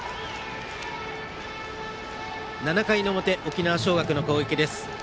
７回の表沖縄尚学の攻撃です。